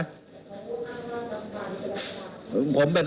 ผมพูดว่ารัชบาลมีประโยชน์